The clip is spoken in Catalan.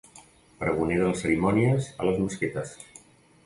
Pregoner de les cerimònies a les mesquites.